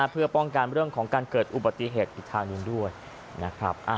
เพื่อป้องกันเรื่องของการเกิดอุบัติเหตุอีกทางหนึ่งด้วยนะครับ